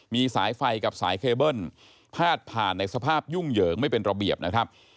มีสายไฟกับสายเคเบิ้ลพาดผ่านในสภาพยุ่งเหยิงไม่เป็นระเบียบนะครับ